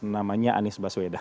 namanya anies baswedan